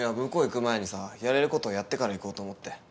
向こう行く前にさやれることはやってから行こうと思って。